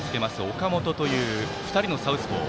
岡本の２人のサウスポー。